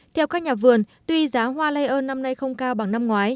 theo các nhà vườn tuy giá hoa lây ơn năm nay không cao bằng năm ngoái